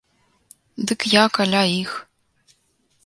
Дык я каля іх.